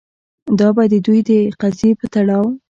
دا به د دوی د قضیې په تړاو